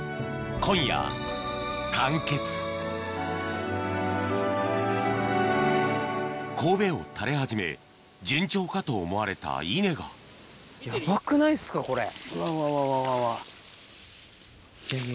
今夜完結こうべを垂れ始め順調かと思われた稲がヤバくないですかこれうわわわわわ。